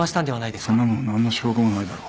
そんなもん何の証拠もないだろ。